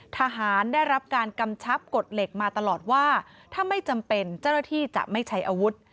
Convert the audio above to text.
ทหารได้รับการกำชับกฎเหล็กมาตลอดว่าถ้าไม่จำเป็นเจ้าหน้าที่จะไม่ใช้อาวุธ